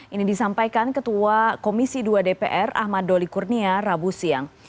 ini disampaikan ketua komisi dua dpr ahmad doli kurnia rabu siang